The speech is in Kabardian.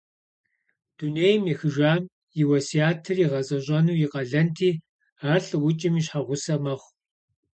Дунейм ехыжам и уэсятыр игъэзэщӏэну и къалэнти, ар лӏыукӏым и щхьэгъусэ мэхъу.